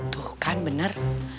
tuh kan bener